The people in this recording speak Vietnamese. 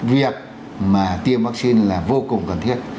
việc mà tiêm vaccine là vô cùng cần thiết